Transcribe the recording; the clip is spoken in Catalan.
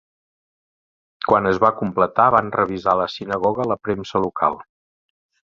Quan es va completar, van revisar la sinagoga a la premsa local.